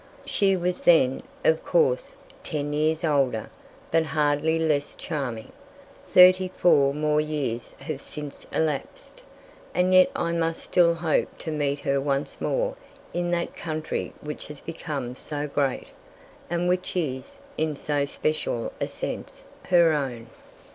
She was then, of course, ten years older, but hardly less charming. Thirty four more years have since elapsed, and yet I must still hope to meet her once more in that country which has become so great, and which is, in so special a sense, her own.